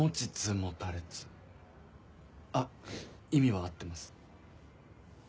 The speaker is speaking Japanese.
あ意味は合ってます。